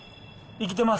生きてます。